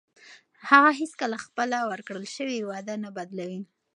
هغه هیڅکله خپله ورکړل شوې وعده نه بدلوي.